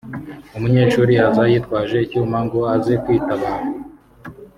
umunyeshuri aza yitwaje icyuma ngo aze kwitabara